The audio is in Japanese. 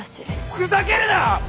ふざけるな！